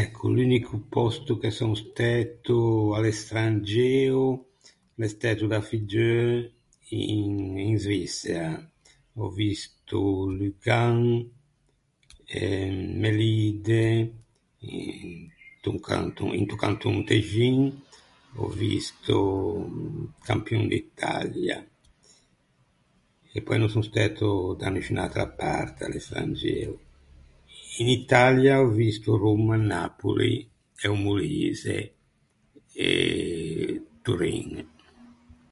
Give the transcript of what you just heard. Ecco, l’unico pòsto che son stæto à l’estranxeo l’é stæto da figgeu in in Svissea. Ò visto Lugan eh Melide, into canton into canton Texin, ò visto Campion d’Italia e pöi no son stæto da nisciun’atra parte à l’estranxeo. In Italia ò visto Romma, Napoli, e o Molise e Turin.